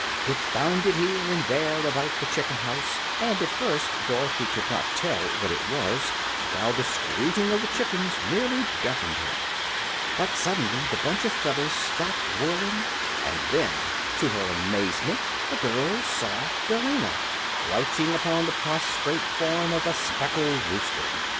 It bounded here and there about the chicken house, and at first Dorothy could not tell what it was, while the screeching of the chickens nearly deafened her. But suddenly the bunch of feathers stopped whirling, and then, to her amazement, the girl saw Billina crouching upon the prostrate form of a speckled rooster.